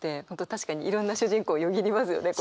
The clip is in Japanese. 確かにいろんな主人公よぎりますよね。